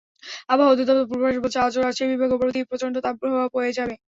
আবহাওয়া অধিদপ্তরের পূর্বাভাস বলছে, আজও রাজশাহী বিভাগের ওপর দিয়ে প্রচণ্ড তাপপ্রবাহ বয়ে যাবে।